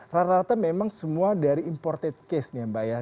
rata rata memang semua dari imported case nih mbak ya